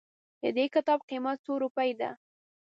ددي کتاب قيمت څو روپئ ده